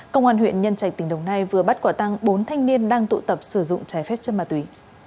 công an huyện nhân trạch tỉnh đồng nai vừa bắt quả tăng bốn thanh niên đang tụ tập sử dụng trái phép chân ma túy